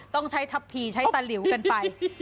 ต้องใช้ทัพพีใช้ตะหลิวกันไป